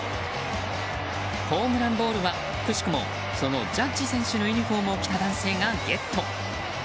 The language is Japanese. ホームランボールはくしくも、そのジャッジ選手のユニホームを着た男性がゲット。